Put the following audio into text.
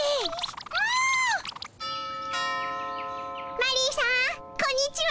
マリーさんこんにちは。